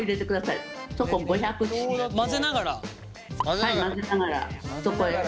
はい混ぜながらそこへ。